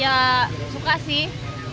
ya suka sih